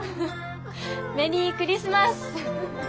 メリークリスマス。